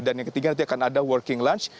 dan yang ketiga nanti akan ada working lunch